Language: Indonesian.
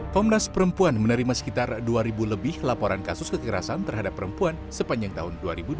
komnas perempuan menerima sekitar dua lebih laporan kasus kekerasan terhadap perempuan sepanjang tahun dua ribu dua puluh